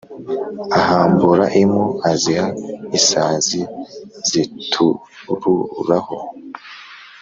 Ahambura impu aziha isazi zitururaho,